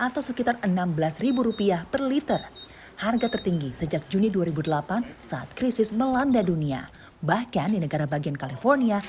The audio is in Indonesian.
tidak harus mengganggu perusahaan kita